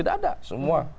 tidak ada semua